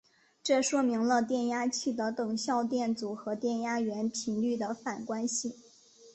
这说明了电压器的等效电阻和电压源频率的反关系。